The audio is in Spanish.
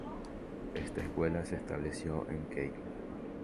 Esta escuela se estableció en Kiel.